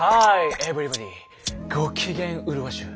エブリバディご機嫌うるわしゅう。